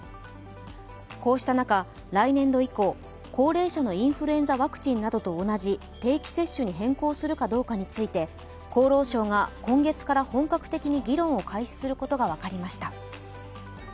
こうした中、来年度以降高齢者のインフルエンザワクチンなどと同じ定期接種に変更するかどうかについて厚労省が今月から本格的に議論を開始することが分かりました。